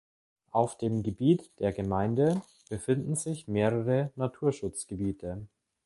Auf dem Gebiet der Gemeinde befinden sich mehrere Naturschutzgebiete.